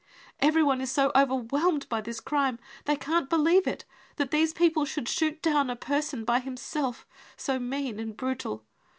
..." Everyone is so overwhelmed by this crime, they can't believe it, that these people should shoot down a person by himself, so mean and brutal.